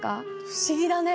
不思議だね！